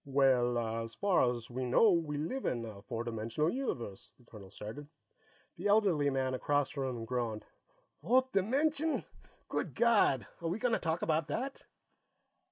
"Well, as far as we know, we live in a four dimensional universe," the colonel started. The elderly man across from him groaned. "Fourth dimension! Good God, are we going to talk about that?"